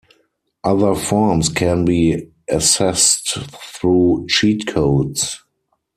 Other forms can be accessed through cheat codes.